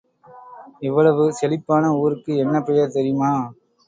இவ்வளவு செழிப்பான ஊருக்கு என்ன பெயர் தெரியுமா?